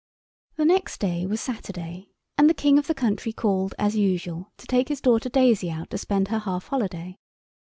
The next day was Saturday, and the King of the country called as usual to take his daughter Daisy out to spend her half holiday.